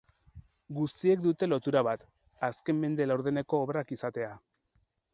Guztiek dute lotura bat, azken mende laurdeneko obrak izatea.